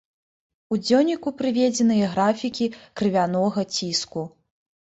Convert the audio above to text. У дзённіку прыведзеныя графікі крывянога ціску.